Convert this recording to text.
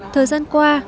thời gian qua